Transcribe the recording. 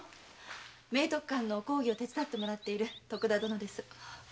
明徳館の講義を手伝ってもらっている徳田殿。